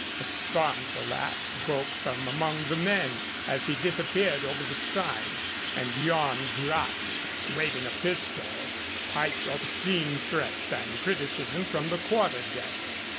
A scornful laugh broke from among the men as he disappeared over the side, and Yan Gratz, waving a pistol, piped obscene threats and criticism from the quarter deck.